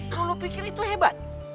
kalau pikir itu hebat